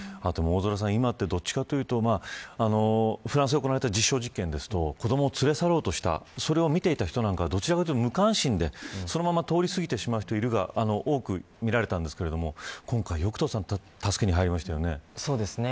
今はどちらかというとフランスで行われた実証実験ですと子どもを連れ去ろうとしていたそれを見ていた人はどちらかというと無関心でそのまま通り過ぎてしまう人が多く見られたんですが今回、よく助けに入りましたね。